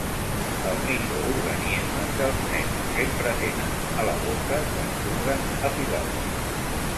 El microorganisme que els nens sempre tenen a la boca quan juguen a pilota.